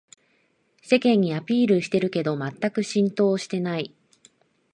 世間にアピールしてるけどまったく浸透してない